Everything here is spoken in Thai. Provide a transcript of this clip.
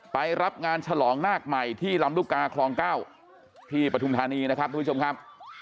ไปรับงานฉลองนาคใหม่ที่ลำลูกกาคลอง๙ที่ปฐุมธานีนะครับทุกผู้ชมครับ